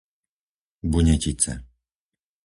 Bunetice